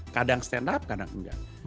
kadang stand up kadang enggak